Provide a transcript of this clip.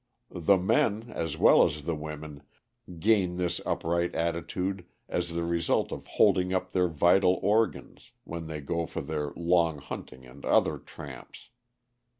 The men, as well as the women, gain this upright attitude as the result of "holding up their vital organs" when they go for their long hunting and other tramps.